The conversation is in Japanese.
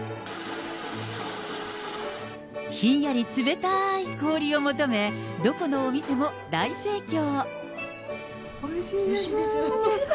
ひんやり冷たーい氷を求め、どこのお店も大盛況。